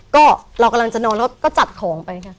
ก็เรากำลังจะนอนแล้วก็จัดของไปค่ะ